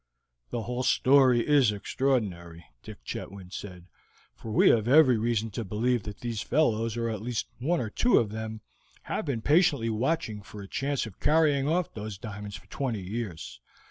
"The whole story is extraordinary," Dick Chetwynd said; "for we have every reason to believe that those fellows, or at least one or two of them, have been patiently watching for a chance of carrying off those diamonds for twenty years.